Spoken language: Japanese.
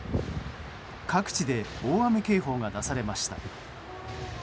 各地で大雨警報が出されました。